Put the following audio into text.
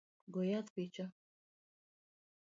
Go yath picha